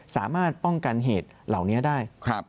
สามารถป้องกันเหตุเหล่านี้ได้